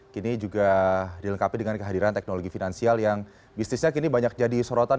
kini juga dilengkapi dengan kehadiran teknologi finansial yang bisnisnya kini banyak jadi sorotan